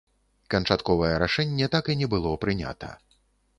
Канчатковае рашэнне так і не было прынята.